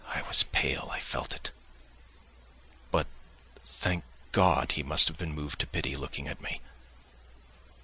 I was pale, I felt it. But, thank God, he must have been moved to pity, looking at me.